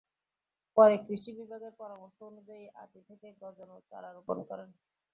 পরে কৃষি বিভাগের পরামর্শ অনুযায়ী আঁটি থেকে গজানো চারা রোপণ করেন।